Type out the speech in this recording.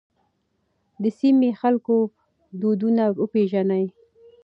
د سیمې د خلکو دودونه وپېژنئ.